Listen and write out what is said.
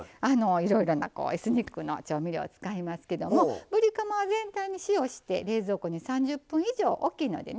いろいろなエスニックの調味料を使いますけどもぶりカマは全体に塩して冷蔵庫に３０分以上大きいのでね